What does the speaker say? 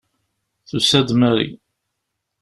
Tusa-d Mary.